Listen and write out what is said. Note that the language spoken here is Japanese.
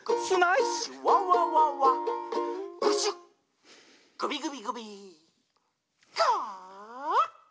「プシュッ！クビグビグビカァーッ！」